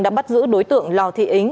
đã bắt giữ đối tượng lào thị ính